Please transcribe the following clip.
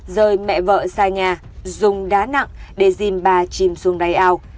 rời mẹ vợ xa nhà dùng đá nặng để dìm bà chìm xuống đáy ao